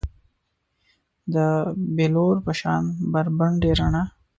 د بیلور په شان بربنډې رڼا